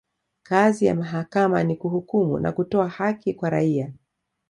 kazi ya mahakama ni kuhukumu na kutoa haki kwa raia